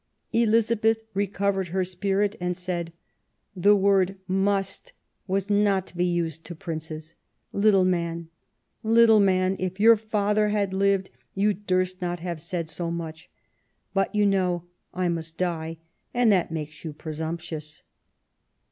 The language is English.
Elizabeth recovered her spirit and said :" The word must was not used to Princes. Little man, little man, if your father had lived you durst not have said so much, but you know I must die, and that makes you presumptuous."